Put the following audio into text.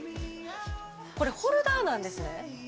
これ、ホルダーなんですね。